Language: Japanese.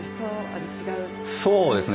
そうですね。